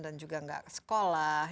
dan juga tidak sekolah